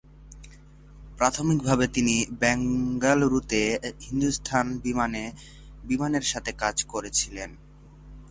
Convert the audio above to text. প্রাথমিকভাবে, তিনি বেঙ্গালুরুতে হিন্দুস্থান বিমানের সাথে কাজ করেছিলেন।